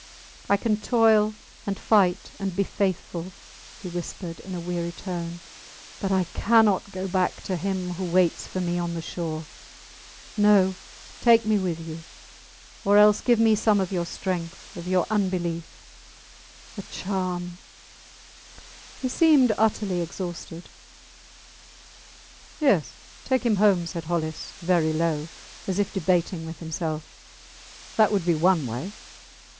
I can toil, and fight and be faithful, he whispered, in a weary tone, but I cannot go back to him who waits for me on the shore. No! Take me with you ... Or else give me some of your strength of your unbelief. ... A charm! ... He seemed utterly exhausted. Yes, take him home, said Hollis, very low, as if debating with himself. That would be one way.